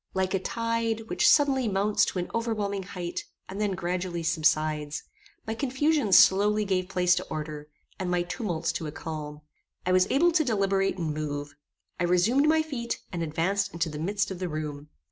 Like a tide, which suddenly mounts to an overwhelming height, and then gradually subsides, my confusion slowly gave place to order, and my tumults to a calm. I was able to deliberate and move. I resumed my feet, and advanced into the midst of the room.